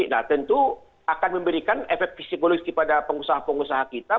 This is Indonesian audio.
nah tentu akan memberikan efek psikologis kepada pengusaha pengusaha kita